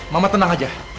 mama tenang aja